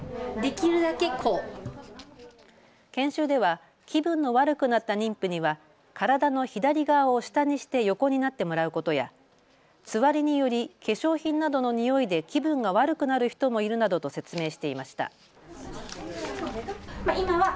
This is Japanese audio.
研修では気分の悪くなった妊婦には体の左側を下にして横になってもらうことやつわりにより化粧品などのにおいで気分が悪くなる人もいるなどと説明していました。